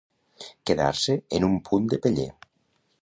Quedar-se en punt de peller.